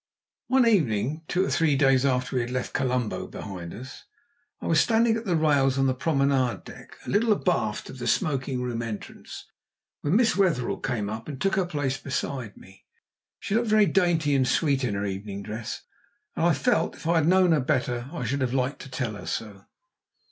One evening, two or three days after we had left Colombo behind us, I was standing at the rails on the promenade deck a little abaft the smoking room entrance, when Miss Wetherell came up and took her place beside me. She looked very dainty and sweet in her evening dress, and I felt, if I had known her better, I should have liked to tell her so.